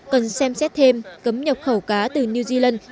cần xem xét thêm cấm nhập khẩu cá từ new zealand